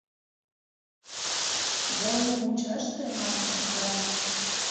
— Йылме мучаште, маньыч да...